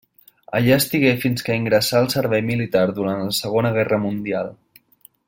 Allà estigué fins que ingressà al servei militar durant la Segona Guerra Mundial.